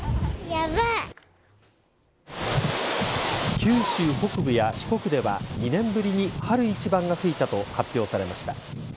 九州北部や四国では２年ぶりに春一番が吹いたと発表されました。